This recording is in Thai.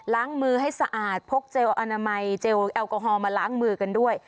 ล้างมือให้สะอาดพกเจลอนามัยเจลแอลกอฮอลมาล้างมือกันด้วย